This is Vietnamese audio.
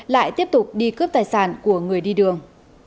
lại tiếp tục đi cướp tài sản của người đi đường